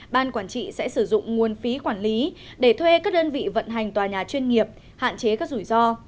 ban quản trị sẽ sử dụng nguồn phí quản lý để thuê các đơn vị vận hành tòa nhà chuyên nghiệp hạn chế các rủi ro